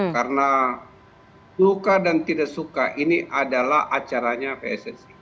karena suka dan tidak suka ini adalah acaranya pssi